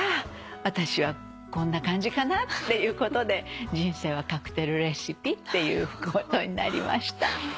私はこんな感じかなっていうことで『人生はカクテルレシピ』っていうことになりました。